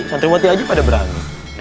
santriwati aja pada berani